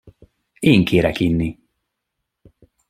Én kérek inni.